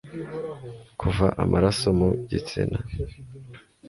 Kuva amaraso mu gitsina